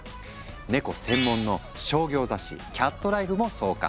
ネコ専門の商業雑誌「キャットライフ」も創刊。